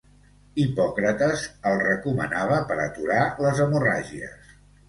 Hipòcrates el recomanava per aturar les hemorràgies.